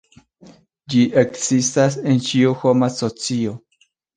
Ĝi ekzistas en ĉiu homa socio.